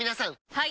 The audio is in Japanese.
はい！